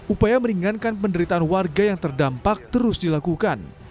upaya meringankan penderitaan warga yang terdampak terus dilakukan